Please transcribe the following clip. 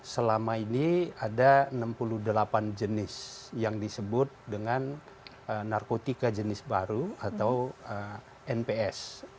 selama ini ada enam puluh delapan jenis yang disebut dengan narkotika jenis baru atau nps